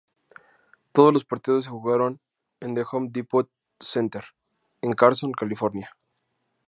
Todos los partidos se jugaron en The Home Depot Center, en Carson, California.